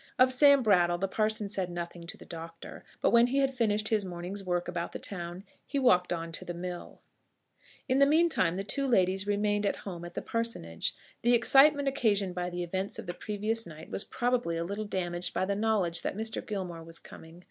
Of Sam Brattle the parson said nothing to the doctor; but when he had finished his morning's work about the town, he walked on to the mill. In the mean time the two ladies remained at home at the Parsonage. The excitement occasioned by the events of the previous night was probably a little damaged by the knowledge that Mr. Gilmore was coming.